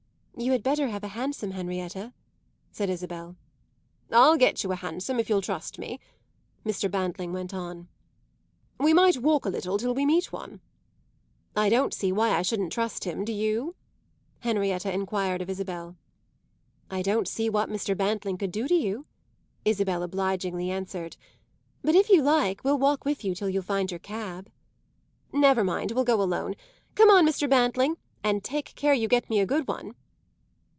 "You had better have a hansom, Henrietta," said Isabel. "I'll get you a hansom if you'll trust me," Mr. Bantling went on. "We might walk a little till we meet one." "I don't see why I shouldn't trust him, do you?" Henrietta enquired of Isabel. "I don't see what Mr. Bantling could do to you," Isabel obligingly answered; "but, if you like, we'll walk with you till you find your cab." "Never mind; we'll go alone. Come on, Mr. Bantling, and take care you get me a good one."